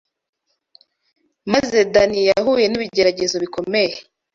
Maze Dani yahuye n’ibigeragezo bikomeye